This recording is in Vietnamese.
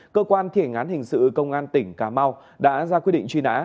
cơ quan thể ngán hình sự công an tỉnh ca mau đã ra quyết định truy nã